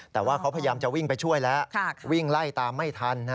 แต่ว่าเขาพยายามจะวิ่งไปช่วยแล้ววิ่งไล่ตามไม่ทัน